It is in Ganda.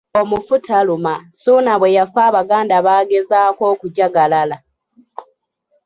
Omufu taluma , Ssuuna bwe yafa Abaganda baagezaako okujagalala.